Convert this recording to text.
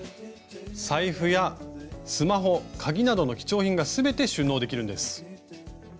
財布やスマホ鍵などの貴重品が全て収納できるんです。